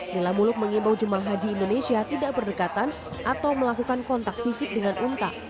nila muluk mengimbau jemaah haji indonesia tidak berdekatan atau melakukan kontak fisik dengan umta